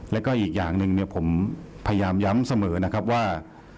แล้วก็อีกอย่างหนึ่งผมพยายามย้ำเสมอนะครับว่า